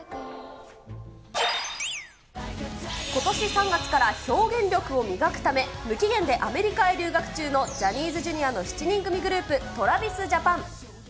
ことし３月から表現力を磨くため、無期限でアメリカへ留学中のジャニーズＪｒ．の７人組グループ、トラビスジャパン。